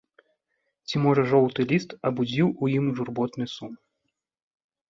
Ці можа жоўты ліст абудзіў у ім журботны сум.